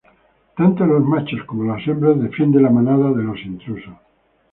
Tanto los machos como las hembras defienden la manada de los intrusos.